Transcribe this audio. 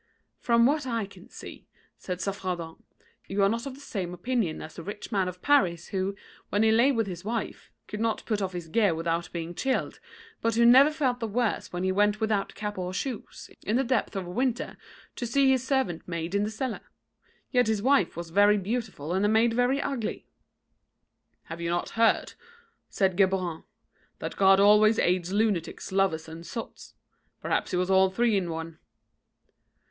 "From what I can see," said Saffredent, "you are not of the same opinion as the rich man of Paris who, when he lay with his wife, could not put off his gear without being chilled, but who never felt the worse when he went without cap or shoes, in the depth of winter, to see his servant maid in the cellar. Yet his wife was very beautiful and the maid very ugly." "Have you not heard," said Geburon, "that God always aids lunatics, lovers and sots? Perhaps he was all three in one."